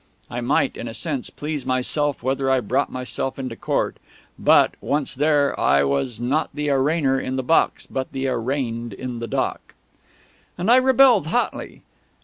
I might, in a sense, please myself whether I brought myself into Court; but, once there, I was not the arraigner in the box, but the arraigned in the dock. And I rebelled hotly.